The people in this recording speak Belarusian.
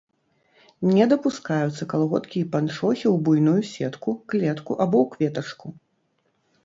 Не дапускаюцца калготкі і панчохі ў буйную сетку, клетку або ў кветачку.